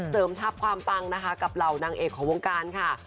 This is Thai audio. เสริมทัพความปังนะคะกับเหล่านางเอกของวงการค่ะ